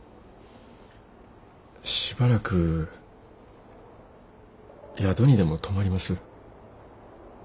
しばらく宿にでも泊まります。